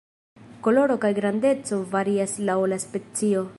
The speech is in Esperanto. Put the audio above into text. Koloro kaj grandeco varias laŭ la specio.